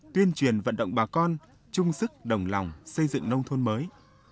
tuyên truyền vận động bà con chung sức đồng lòng xây dựng nông thôn mới